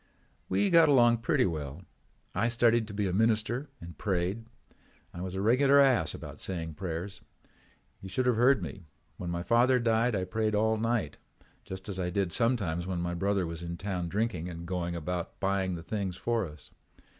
"We got along pretty well. I studied to be a minister and prayed. I was a regular ass about saying prayers. You should have heard me. When my father died I prayed all night, just as I did sometimes when my brother was in town drinking and going about buying the things for us.